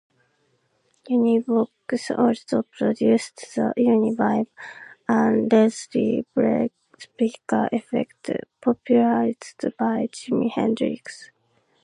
Univox also produced the Uni-Vibe, a Leslie speaker effect popularized by Jimi Hendrix.